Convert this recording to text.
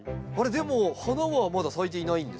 でも花はまだ咲いていないんですね。